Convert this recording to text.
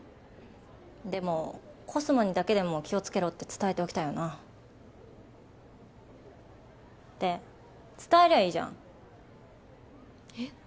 でもコスモにだけでも気をつけろって伝えておきたいよなって伝えりゃいいじゃんえっ？